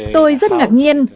tôi rất ngạc nhiên